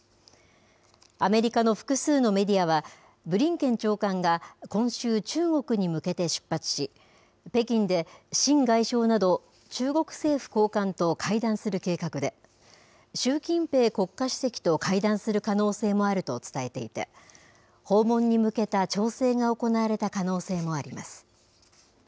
アメリカの複数のメディアは、ブリンケン長官が今週、中国に向けて出発し、北京で秦外相など中国政府高官と会談する計画で、習近平国家主席と会談する可能性もあると伝えていて、訪問に向けた調整が行われた可能性もあります。